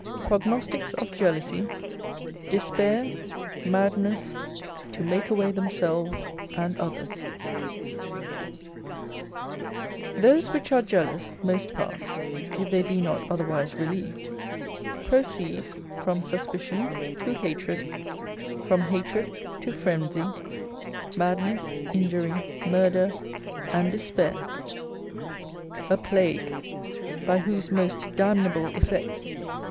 Prognostics of Jealousy. Despair, Madness, to make away themselves and others. Those which are jealous, most part, if they be not otherwise relieved, proceed from suspicion to hatred, from hatred to frenzy, madness, injury, murder and despair. A plague by whose most damnable effect.